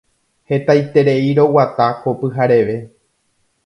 Hetaiterei roguata ko pyhareve.